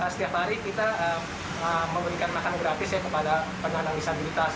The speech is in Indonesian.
setiap hari kita memberikan makanan gratis kepada penganalisabilitas